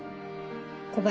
小林